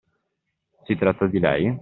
Si tratta di lei?